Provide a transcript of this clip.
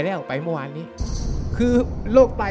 รายการต่อไปนี้เป็นรายการทั่วไปสามารถรับชมได้ทุกวัย